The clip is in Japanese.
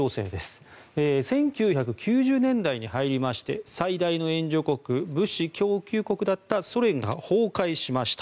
１９９０年代に入りまして最大の援助国物資供給国だったソ連が崩壊しました。